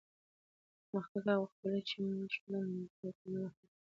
پرمختګ هغه وخت پیلېږي چې موږ د ناممکن کلمه له خپل فکره وباسو.